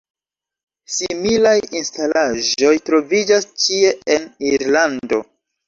Similaj instalaĵoj troviĝas ĉie en Irlando.